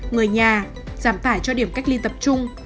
người nhà giảm tải cho điểm cách ly tập trung